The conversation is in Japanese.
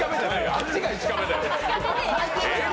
あっちが１カメだよ。